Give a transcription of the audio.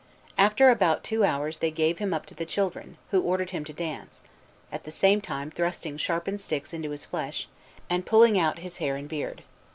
After about two hours they gave him up to the children, who ordered him to dance, at the same time thrusting sharpened sticks into his flesh, and pulling out his hair and beard.